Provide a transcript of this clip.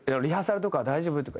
「リハーサルとかは大丈夫？」